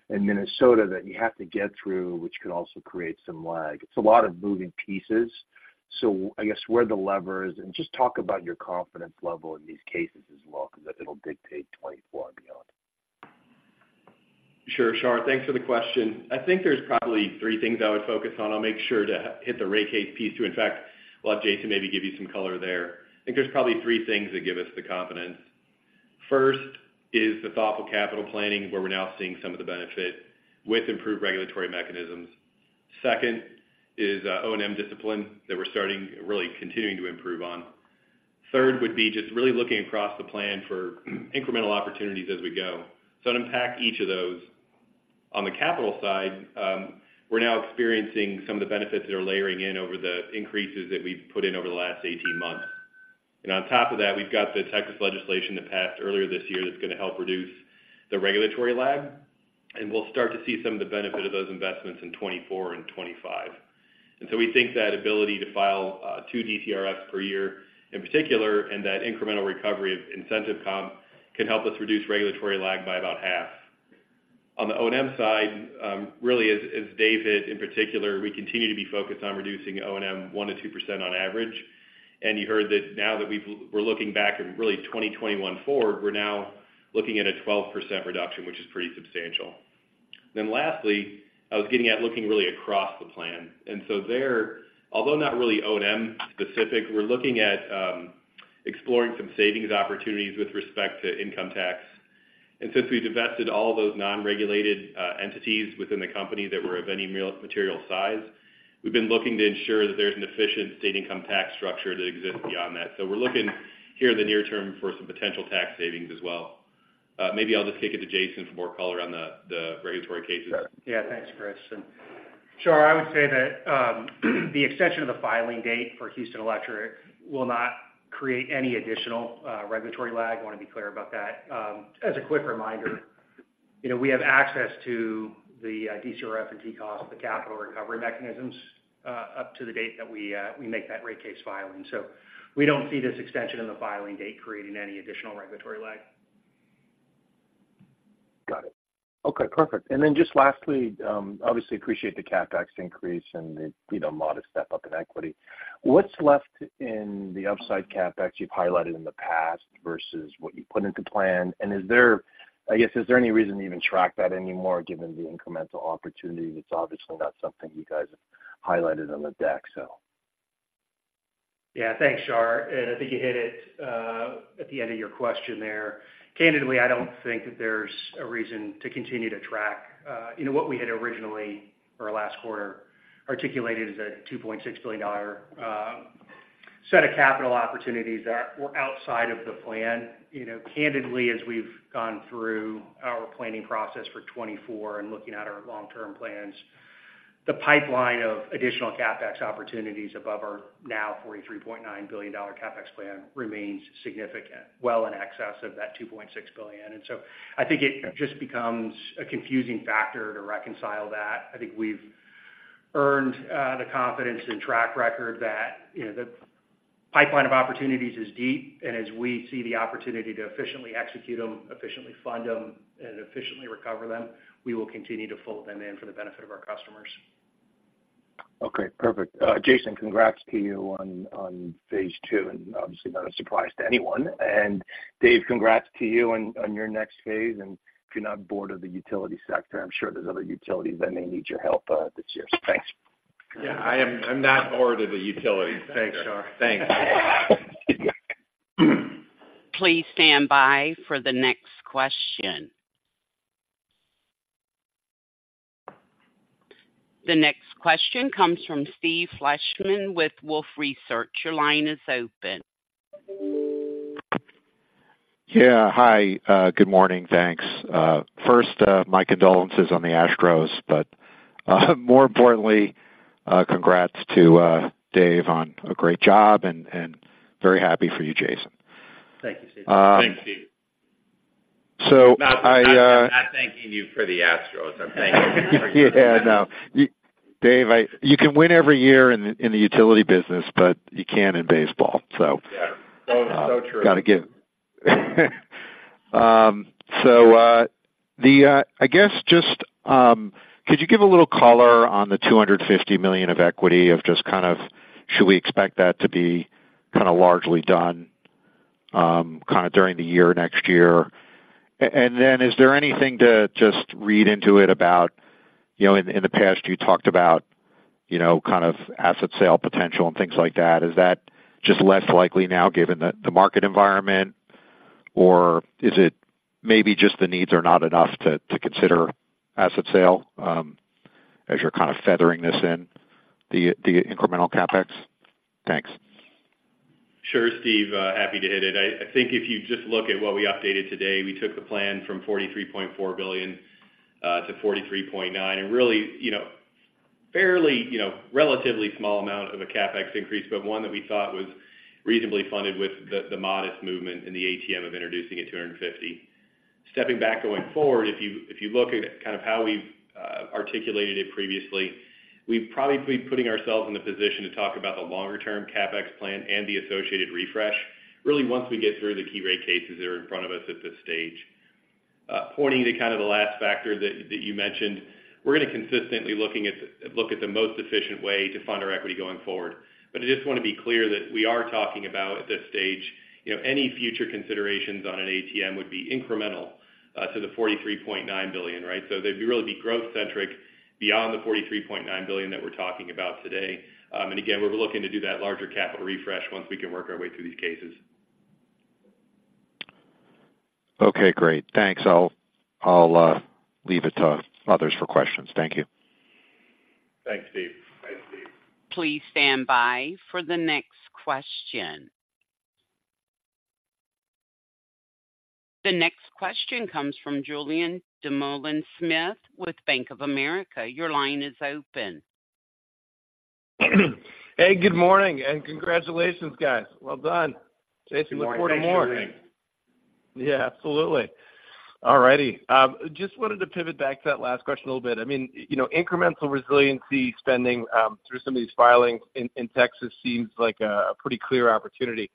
and Minnesota, that you have to get through, which could also create some lag. It's a lot of moving pieces. So I guess, where are the levers? And just talk about your confidence level in these cases as well, because it'll dictate 2024 and beyond. Sure, Shar. Thanks for the question. I think there's probably three things I would focus on. I'll make sure to hit the rate case piece, too. In fact, we'll have Jason maybe give you some color there. I think there's probably three things that give us the confidence. First is the thoughtful capital planning, where we're now seeing some of the benefit with improved regulatory mechanisms. Second is O&M discipline that we're starting, really continuing to improve on. Third would be just really looking across the plan for incremental opportunities as we go. So to unpack each of those, on the capital side, we're now experiencing some of the benefits that are layering in over the increases that we've put in over the last 18 months. And on top of that, we've got the Texas legislation that passed earlier this year that's going to help reduce the regulatory lag, and we'll start to see some of the benefit of those investments in 2024 and 2025. And so we think that ability to file two DCRFs per year, in particular, and that incremental recovery of incentive comp, can help us reduce regulatory lag by about half. On the O&M side, really, as David, in particular, we continue to be focused on reducing O&M 1%-2% on average. And you heard that now that we're looking back at really 2021 forward, we're now looking at a 12% reduction, which is pretty substantial. Then lastly, I was getting at looking really across the plan. And so there, although not really O&M specific, we're looking at exploring some savings opportunities with respect to income tax. And since we divested all those non-regulated entities within the company that were of any real material size, we've been looking to ensure that there's an efficient state income tax structure that exists beyond that. So we're looking here in the near term for some potential tax savings as well. Maybe I'll just kick it to Jason for more color on the regulatory cases. Yeah. Thanks, Chris. And Shar, I would say that, the extension of the filing date for Houston Electric will not create any additional, regulatory lag. I want to be clear about that. As a quick reminder, you know, we have access to the, DCRF and TCOS, the capital recovery mechanisms, up to the date that we, we make that rate case filing. So we don't see this extension in the filing date creating any additional regulatory lag. Got it. Okay, perfect. And then just lastly, obviously, appreciate the CapEx increase and the, you know, modest step-up in equity. What's left in the upside CapEx you've highlighted in the past versus what you put into plan? And is there, I guess, is there any reason to even track that anymore, given the incremental opportunity? It's obviously not something you guys have highlighted on the deck, so. Yeah, thanks, Shar. I think you hit it at the end of your question there. Candidly, I don't think that there's a reason to continue to track. You know, what we had originally, or last quarter, articulated as a $2.6 billion set of capital opportunities that were outside of the plan. You know, candidly, as we've gone through our planning process for 2024 and looking at our long-term plans, the pipeline of additional CapEx opportunities above our now $43.9 billion CapEx plan remains significant, well in excess of that $2.6 billion. So I think it just becomes a confusing factor to reconcile that. I think we've earned the confidence and track record that, you know, the pipeline of opportunities is deep, and as we see the opportunity to efficiently execute them, efficiently fund them, and efficiently recover them, we will continue to fold them in for the benefit of our customers. Okay, perfect. Jason, congrats to you on phase two, and obviously not a surprise to anyone. And Dave, congrats to you on your next phase. And if you're not bored of the utility sector, I'm sure there's other utilities that may need your help, this year. Thanks. Yeah, I'm not bored of the utility sector. Thanks, Shar. Thanks. Please stand by for the next question. The next question comes from Steve Fleishman with Wolfe Research. Your line is open. Yeah. Hi, good morning, thanks. First, my condolences on the Astros, but more importantly, congrats to Dave on a great job, and very happy for you, Jason. Thank you, Steve. Thanks, Steve. So I I'm not thanking you for the Astros, I'm thanking you. Yeah, I know. You, Dave—I—you can win every year in the utility business, but you can't in baseball, so- Yeah, so, so true. So, I guess, just could you give a little color on the $250 million of equity, just kind of should we expect that to be kind of largely done kind of during the year, next year? And then is there anything to just read into it about, you know, in the past, you talked about, you know, kind of asset sale potential and things like that. Is that just less likely now given the market environment? Or is it maybe just the needs are not enough to consider asset sale as you're kind of feathering this in, the incremental CapEx? Thanks. Sure, Steve, happy to hit it. I think if you just look at what we updated today, we took the plan from $43.4 billion to $43.9 billion, and really, you know, fairly, you know, relatively small amount of a CapEx increase, but one that we thought was reasonably funded with the modest movement in the ATM of introducing at 250. Stepping back going forward, if you look at kind of how we've articulated it previously, we'd probably be putting ourselves in the position to talk about the longer term CapEx plan and the associated refresh, really, once we get through the key rate cases that are in front of us at this stage. Pointing to kind of the last factor that you mentioned, we're gonna look at the most efficient way to fund our equity going forward. But I just wanna be clear that we are talking about, at this stage, you know, any future considerations on an ATM would be incremental to the $43.9 billion, right? So they'd really be growth centric beyond the $43.9 billion that we're talking about today. And again, we're looking to do that larger capital refresh once we can work our way through these cases. Okay, great. Thanks. I'll leave it to others for questions. Thank you. Thanks, Steve. Thanks, Steve. Please stand by for the next question. The next question comes from Julien Dumoulin Smith with Bank of America. Your line is open. Hey, good morning, and congratulations, guys. Well done. Jason, look forward to more. Good morning. Yeah, absolutely. Alrighty. Just wanted to pivot back to that last question a little bit. I mean, you know, incremental resiliency spending through some of these filings in Texas seems like a pretty clear opportunity.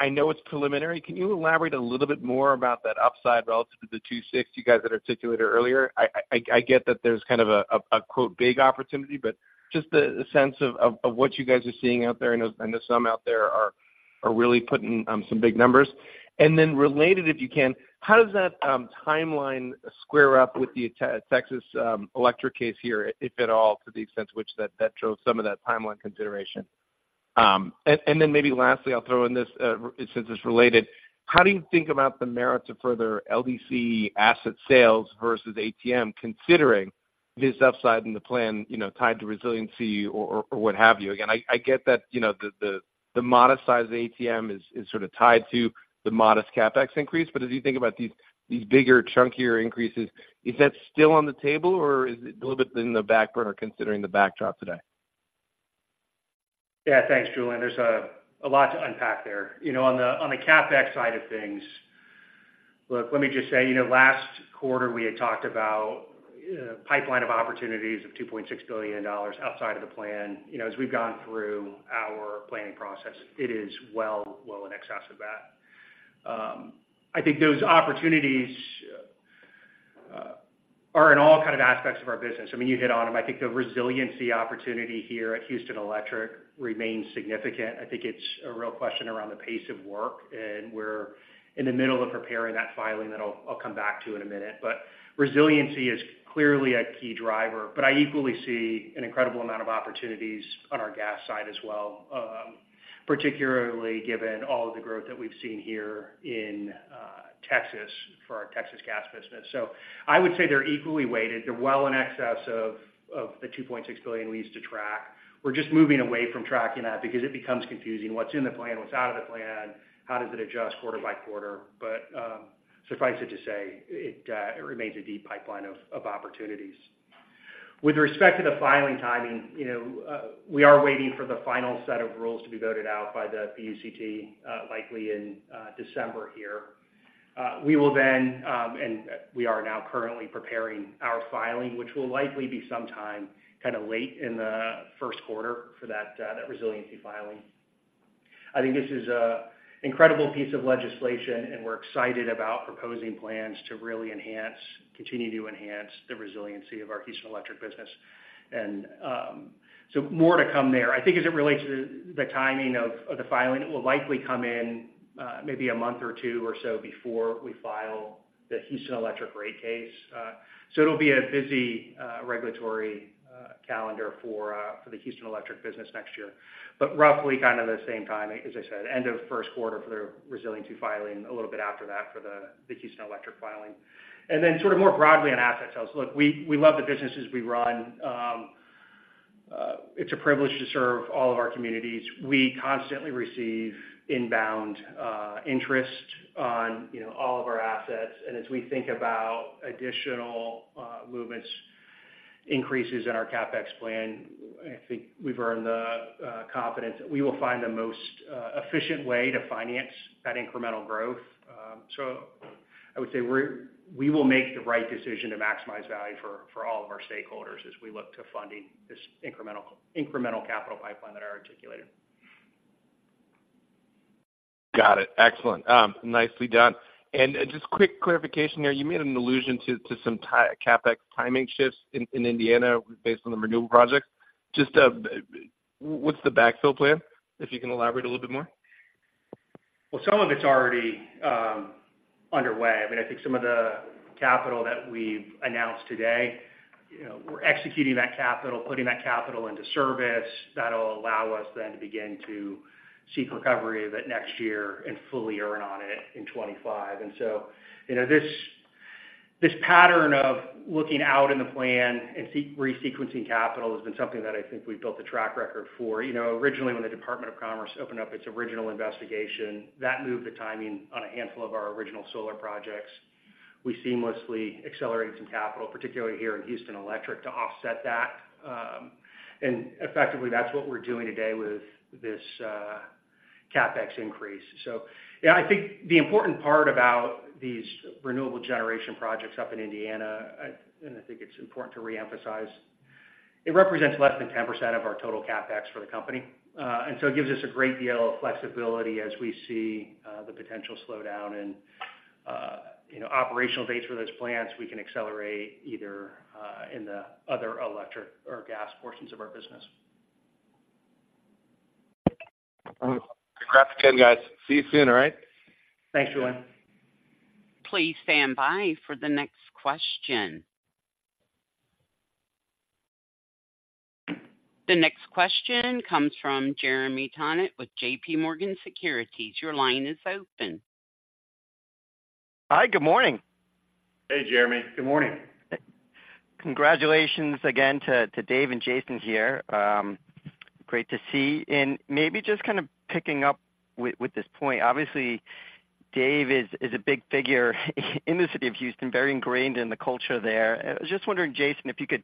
I know it's preliminary, can you elaborate a little bit more about that upside relative to the 2.6 you guys had articulated earlier? I get that there's kind of a quote, "big opportunity," but just the sense of what you guys are seeing out there, I know some out there are really putting some big numbers. And then related, if you can, how does that timeline square up with the Texas electric case here, if at all, to the extent to which that shows some of that timeline consideration? Then maybe lastly, I'll throw in this, since it's related: how do you think about the merits of further LDC asset sales versus ATM, considering this upside in the plan, you know, tied to resiliency or what have you? Again, I get that, you know, the modest size of the ATM is sort of tied to the modest CapEx increase, but as you think about these bigger, chunkier increases, is that still on the table, or is it a little bit on the back burner considering the backdrop today? Yeah. Thanks, Julien. There's a lot to unpack there. You know, on the CapEx side of things, look, let me just say, you know, last quarter, we had talked about pipeline of opportunities of $2.6 billion outside of the plan. You know, as we've gone through our planning process, it is well, well in excess of that. I think those opportunities are in all kind of aspects of our business. I mean, you hit on them. I think the resiliency opportunity here at Houston Electric remains significant. I think it's a real question around the pace of work, and we're in the middle of preparing that filing that I'll come back to in a minute. But resiliency is clearly a key driver, but I equally see an incredible amount of opportunities on our gas side as well, particularly given all of the growth that we've seen here in Texas for our Texas Gas business. So I would say they're equally weighted. They're well in excess of the $2.6 billion we used to track. We're just moving away from tracking that because it becomes confusing what's in the plan, what's out of the plan, how does it adjust quarter by quarter. But suffice it to say, it remains a deep pipeline of opportunities. With respect to the filing timing, you know, we are waiting for the final set of rules to be voted out by the PUCT, likely in December here. We will then, and, we are now currently preparing our filing, which will likely be sometime kind of late in the first quarter for that, that resiliency filing. I think this is a incredible piece of legislation, and we're excited about proposing plans to really enhance, continue to enhance the resiliency of our Houston Electric business. And, so more to come there. I think as it relates to the, the timing of, the filing, it will likely come in, maybe a month or two or so before we file the Houston Electric rate case. So it'll be a busy, regulatory, calendar for, for the Houston Electric business next year. But roughly kind of the same time, as I said, end of first quarter for the resiliency filing, a little bit after that for the, the Houston Electric filing. And then sort of more broadly on asset sales. Look, we, we love the businesses we run. It's a privilege to serve all of our communities. We constantly receive inbound interest on, you know, all of our assets. And as we think about additional movements, increases in our CapEx plan, I think we've earned the confidence that we will find the most efficient way to finance that incremental growth. So I would say we will make the right decision to maximize value for, for all of our stakeholders as we look to funding this incremental, incremental capital pipeline that I articulated. Got it. Excellent. Nicely done. And just quick clarification here, you made an allusion to some CapEx timing shifts in Indiana based on the renewal project. Just, what's the backfill plan? If you can elaborate a little bit more. Well, some of it's already underway. I mean, I think some of the capital that we've announced today, you know, we're executing that capital, putting that capital into service. That'll allow us then to begin to seek recovery of it next year and fully earn on it in 2025. And so, you know, this pattern of looking out in the plan and resequencing capital has been something that I think we've built a track record for. You know, originally, when the Department of Commerce opened up its original investigation, that moved the timing on a handful of our original solar projects. We seamlessly accelerated some capital, particularly here in Houston Electric, to offset that. And effectively, that's what we're doing today with this CapEx increase. So yeah, I think the important part about these renewable generation projects up in Indiana, and I think it's important to reemphasize, it represents less than 10% of our total CapEx for the company. And so it gives us a great deal of flexibility as we see, the potential slowdown and, you know, operational dates for those plants, we can accelerate either, in the other electric or gas portions of our business. Congrats again, guys. See you soon, all right? Thanks, Julien. Please stand by for the next question. The next question comes from Jeremy Tonet with JPMorgan Securities. Your line is open. Hi, good morning. Hey, Jeremy. Good morning. Congratulations again to Dave and Jason here. Great to see. Maybe just kind of picking up with this point, obviously, Dave is a big figure in the city of Houston, very ingrained in the culture there. I was just wondering, Jason, if you could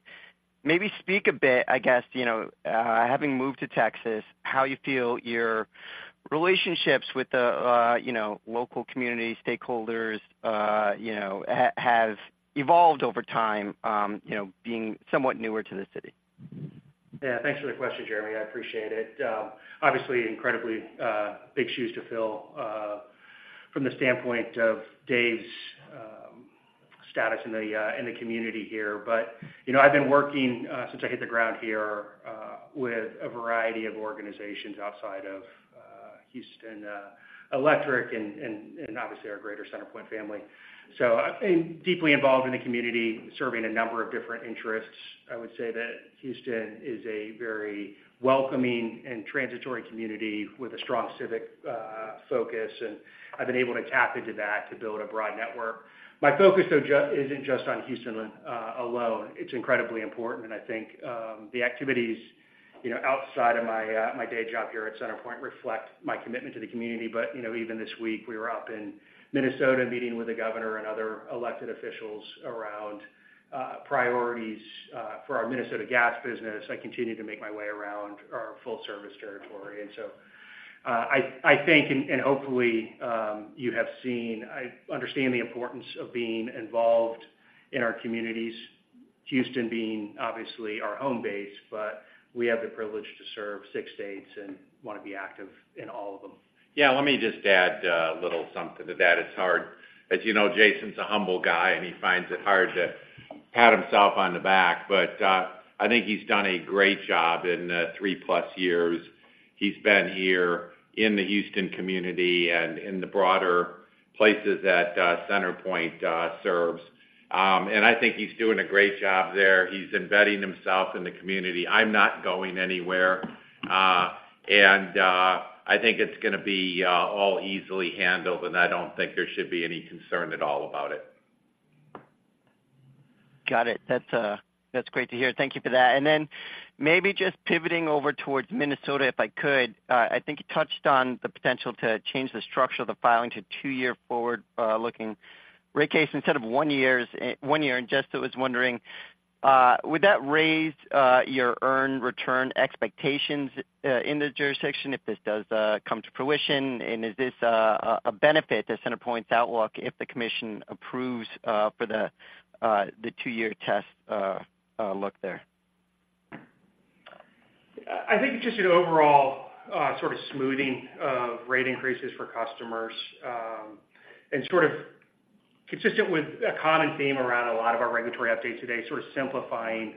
maybe speak a bit, I guess, you know, having moved to Texas, how you feel your relationships with the, you know, local community stakeholders, you know, has evolved over time, you know, being somewhat newer to the city. Yeah, thanks for the question, Jeremy. I appreciate it. Obviously, incredibly, big shoes to fill from the standpoint of Dave's status in the community here. But, you know, I've been working since I hit the ground here with a variety of organizations outside of Houston Electric and obviously, our greater CenterPoint family. So I've been deeply involved in the community, serving a number of different interests. I would say that Houston is a very welcoming and transitory community with a strong civic focus, and I've been able to tap into that to build a broad network. My focus, though, isn't just on Houston alone. It's incredibly important, and I think the activities, you know, outside of my day job here at CenterPoint reflect my commitment to the community. But, you know, even this week, we were up in Minnesota, meeting with the governor and other elected officials around priorities for our Minnesota Gas business. I continue to make my way around our full service territory. And so, I think, and hopefully, you have seen. I understand the importance of being involved in our communities, Houston being obviously our home base, but we have the privilege to serve six states and want to be active in all of them. Yeah, let me just add a little something to that. It's hard. As you know, Jason's a humble guy, and he finds it hard to pat himself on the back, but I think he's done a great job in the three-plus years he's been here in the Houston community and in the broader places that CenterPoint serves. And I think he's doing a great job there. He's embedding himself in the community. I'm not going anywhere, and I think it's gonna be all easily handled, and I don't think there should be any concern at all about it. Got it. That's great to hear. Thank you for that. And then maybe just pivoting over towards Minnesota, if I could. I think you touched on the potential to change the structure of the filing to two-year forward looking rate case instead of one year. And just I was wondering, would that raise your earn return expectations in the jurisdiction if this does come to fruition? And is this a benefit to CenterPoint's outlook if the commission approves for the two-year test look there? I think it's just an overall sort of smoothing of rate increases for customers, and sort of consistent with a common theme around a lot of our regulatory updates today, sort of simplifying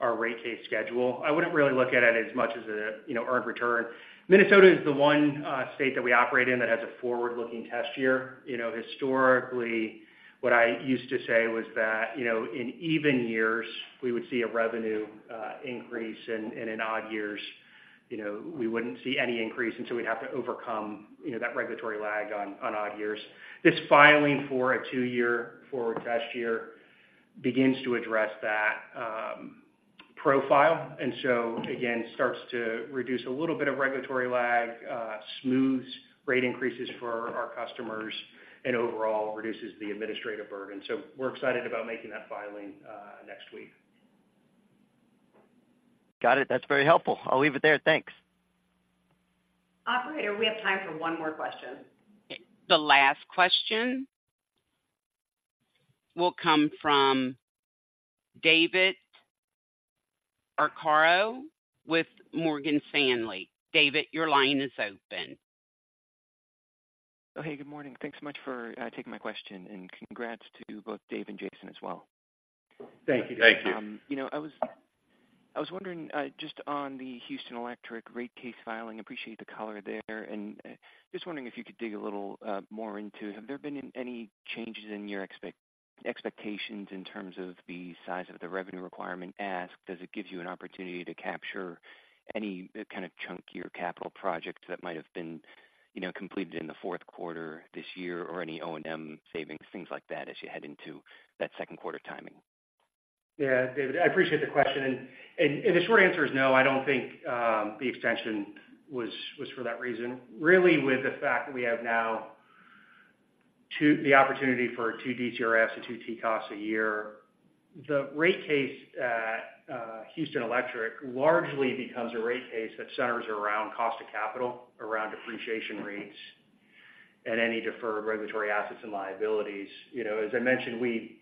our rate case schedule. I wouldn't really look at it as much as a, you know, earned return. Minnesota is the one state that we operate in that has a forward-looking test year. You know, historically, what I used to say was that, you know, in even years, we would see a revenue increase, and in odd years you know, we wouldn't see any increase, and so we'd have to overcome, you know, that regulatory lag on odd years. This filing for a two-year forward test year begins to address that, profile, and so again, starts to reduce a little bit of regulatory lag, smooths rate increases for our customers, and overall reduces the administrative burden. So we're excited about making that filing, next week. Got it. That's very helpful. I'll leave it there. Thanks. Operator, we have time for one more question. The last question will come from David Arcaro with Morgan Stanley. David, your line is open. Oh, hey, good morning. Thanks so much for taking my question, and congrats to both Dave and Jason as well. Thank you. Thank you. You know, I was wondering just on the Houston Electric rate case filing, appreciate the color there, and just wondering if you could dig a little more into it. Have there been any changes in your expectations in terms of the size of the revenue requirement ask? Does it give you an opportunity to capture any kind of chunkier capital projects that might have been, you know, completed in the fourth quarter this year or any O&M savings, things like that, as you head into that second quarter timing? Yeah, David, I appreciate the question. And the short answer is no, I don't think the extension was for that reason. Really, with the fact that we have now two, the opportunity for two DCRFs and two TCOSs a year, the rate case at Houston Electric largely becomes a rate case that centers around cost of capital, around depreciation rates, and any deferred regulatory assets and liabilities. You know, as I mentioned, we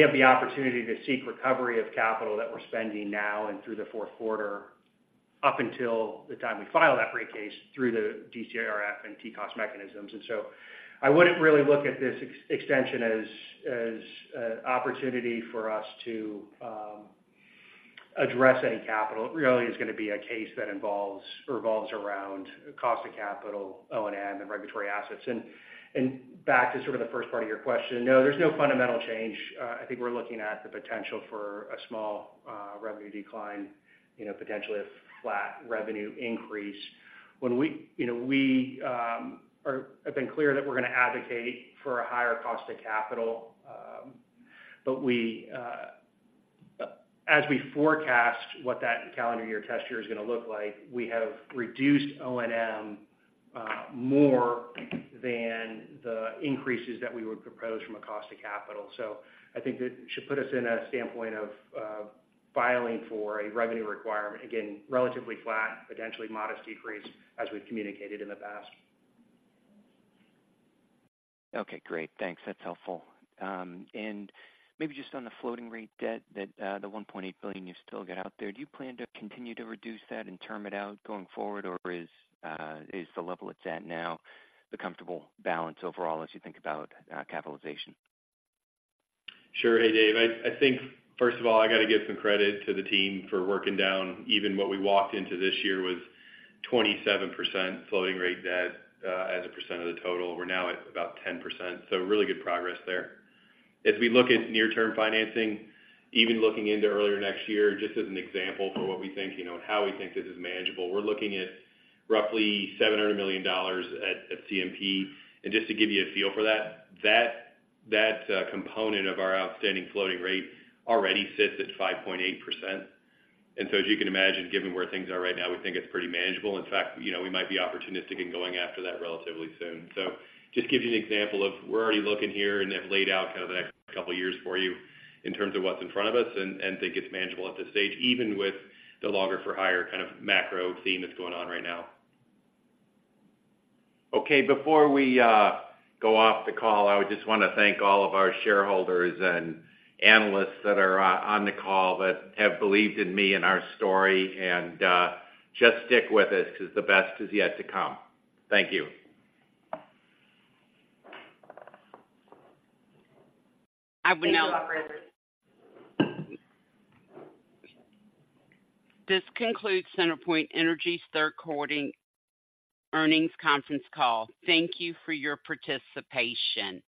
have the opportunity to seek recovery of capital that we're spending now and through the fourth quarter, up until the time we file that rate case through the DCRF and TCOS mechanisms. And so I wouldn't really look at this extension as an opportunity for us to address any capital. It really is gonna be a case that involves or revolves around cost of capital, O&M, and regulatory assets. Back to sort of the first part of your question, no, there's no fundamental change. I think we're looking at the potential for a small revenue decline, you know, potentially a flat revenue increase. When we... You know, we have been clear that we're gonna advocate for a higher cost of capital, but we, as we forecast what that calendar year, test year is gonna look like, we have reduced O&M more than the increases that we would propose from a cost of capital. So I think that should put us in a standpoint of filing for a revenue requirement. Again, relatively flat, potentially modest decrease, as we've communicated in the past. Okay, great. Thanks. That's helpful. And maybe just on the floating rate debt, that, the $1.8 billion you still get out there, do you plan to continue to reduce that and term it out going forward, or is the level it's at now the comfortable balance overall as you think about capitalization? Sure. Hey, Dave, I think, first of all, I got to give some credit to the team for working down. Even what we walked into this year was 27% floating rate debt as a percent of the total. We're now at about 10%, so really good progress there. As we look at near-term financing, even looking into earlier next year, just as an example for what we think, you know, and how we think this is manageable, we're looking at roughly $700 million at CNP. And just to give you a feel for that, that component of our outstanding floating rate already sits at 5.8%. And so as you can imagine, given where things are right now, we think it's pretty manageable. In fact, you know, we might be opportunistic in going after that relatively soon. Just to give you an example of where we're already looking here and have laid out kind of the next couple of years for you in terms of what's in front of us and think it's manageable at this stage, even with the longer-for-higher kind of macro theme that's going on right now. Okay. Before we go off the call, I would just want to thank all of our shareholders and analysts that are on the call that have believed in me and our story, and just stick with us because the best is yet to come. Thank you. Thank you Operator. This concludes CenterPoint Energy's third quarter earnings conference call. Thank you for your participation.